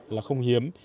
là không hiếm